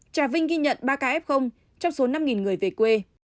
trà vinh ghi nhận ba kf trong số năm người về quê